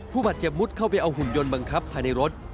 ผู้บาดเจ็บมุดเข้าไปเอาหุ่นยนต์บังคับภายในรถ